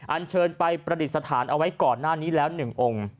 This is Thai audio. อันเชิญไปประดิษฐานเอาไว้ก่อนหน้านี้แล้ว๑องค์